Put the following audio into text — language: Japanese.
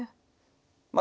まあ